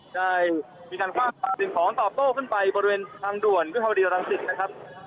ได้มีการฝ่าสิ่งของต่อโต้ขึ้นไปบริเวณทางด่วนคุณภาวดีหลังสิทธิ์นะครับ